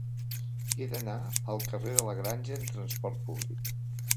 He d'anar al carrer de la Granja amb trasport públic.